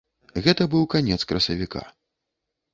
Гэта быў канец красавіка.